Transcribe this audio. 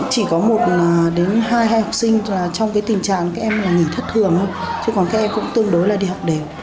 chỉ có một đến hai học sinh trong tình trạng em nghỉ thất thường thôi chứ còn các em cũng tương đối đi học đều